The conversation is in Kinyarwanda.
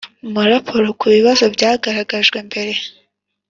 muraporo ku bibazo byagaragajwe mbere